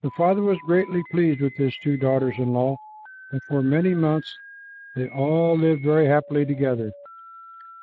The father was greatly pleased with his two daughters in law, and for many months they all lived very happily together.